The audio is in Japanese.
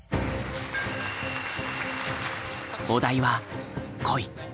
お題は「恋」。